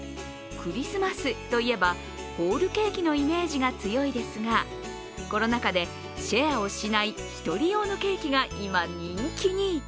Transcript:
クリスマスといえば、ホールケーキのイメージが強いですが、コロナ禍でシェアをしない１人用のケーキが今、人気に。